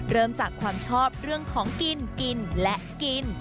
เริ่มจากความชอบเรื่องของกินกินและกิน